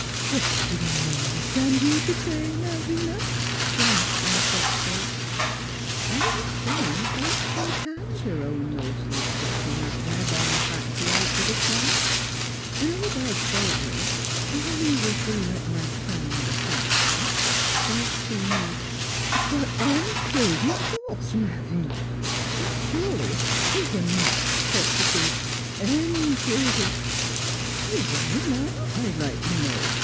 " What did I under stand you t' say, Mal vina? " she asked in a shocked voice. " I was sayin' folks from Canada owned most o' the stock in that there bomb fact'ry out b' the swamps; an' Obed Salter, when he was doin' up my pound o' coffee says t' me " "But an chovy sauce, Malvina; surely you were not purchasing an cho vy " "Why not, I'd like t' know?"